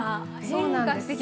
そうなんです。